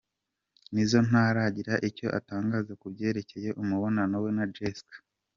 Nizzo ntaragira icyo atangaza ku byerekeye umubano we na Jessica.